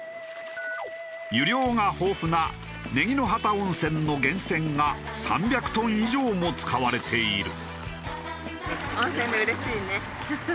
湯量が豊富な祢宜ノ畑温泉の源泉が３００トン以上も使われている。